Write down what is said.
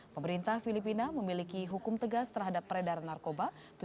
pemerintah filipina memiliki hukum tegas terhadap peredaran narkoba